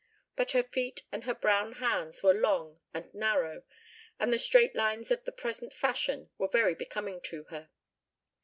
But her feet and her brown hands were long and narrow, and the straight lines of the present fashion were very becoming to her.